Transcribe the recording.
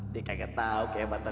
dia kagak tau kayak apa ternyata